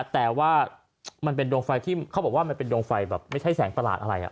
แต่ว่ามันเป็นดวงไฟที่เขาบอกว่ามันเป็นดวงไฟแบบไม่ใช่แสงประหลาดอะไร